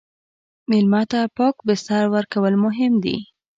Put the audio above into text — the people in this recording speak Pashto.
مېلمه ته پاک بستر ورکول مهم دي.